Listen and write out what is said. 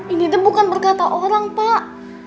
ini bukan berkata orang pak